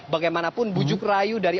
bagaimanapun bujuk rayu dari